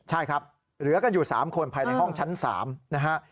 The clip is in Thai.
ใช่ครับเหลือกันอยู่๓คนภายในห้องชั้น๓นะฮะ